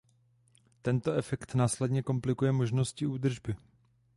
Tento efekt následně komplikuje možnosti údržby.